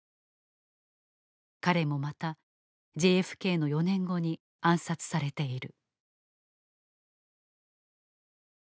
彼もまたＪＦＫの４年後に暗殺されている。